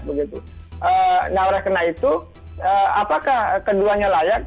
nah mereka kena itu apakah keduanya layak